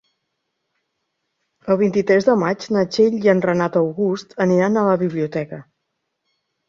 El vint-i-tres de maig na Txell i en Renat August aniran a la biblioteca.